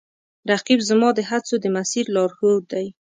رقیب زما د هڅو د مسیر لارښود دی